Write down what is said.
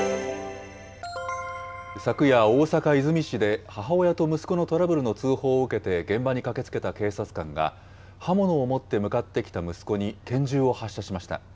昨夜、大阪・和泉市で、母親と息子のトラブルの通報を受けて現場に駆けつけた警察官が、刃物を持って向かってきた息子に拳銃を発射しました。